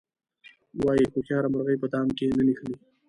وایي هوښیاره مرغۍ په دام کې نه نښلي.